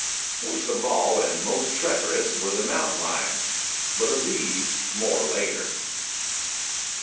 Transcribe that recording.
Worst of all and most treacherous were the mountain lions, but of these, more later.